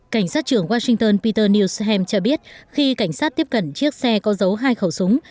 cảnh sát trưởng washington peter newsham cho biết khi cảnh sát tiếp cận chiếc xe có giấu hai khẩu súng